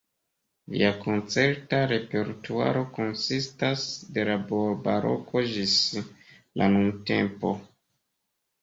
Lia koncerta repertuaro konsistas de la baroko ĝis la nuntempo.